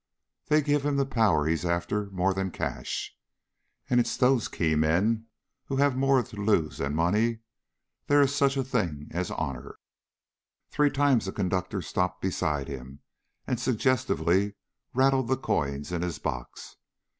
They give him the power he's after more than cash. And it's those key men who have more to lose than money. There's such a thing as honor...." Three times the conductor stopped beside him and suggestively rattled the coins in his box.